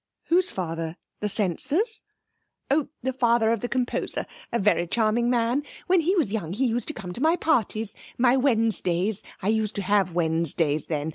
'Whose father the censor's?' 'Oh, the father of the composer a very charming man. When he was young he used to come to my parties my Wednesdays. I used to have Wednesdays then.